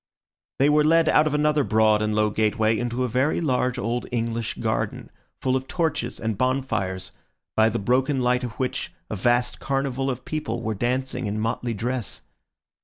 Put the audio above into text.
They were led out of another broad and low gateway into a very large old English garden, full of torches and bonfires, by the broken light of which a vast carnival of people were dancing in motley dress.